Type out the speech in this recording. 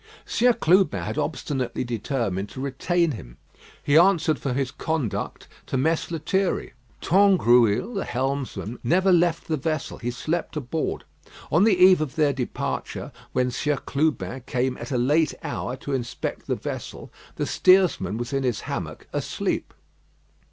Sieur Clubin had obstinately determined to retain him. He answered for his conduct to Mess Lethierry. Tangrouille the helmsman never left the vessel; he slept aboard. On the eve of their departure, when Sieur Clubin came at a late hour to inspect the vessel, the steersman was in his hammock asleep.